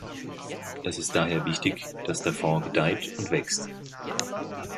Es ist daher wichtig, dass der Fonds gedeiht und wächst.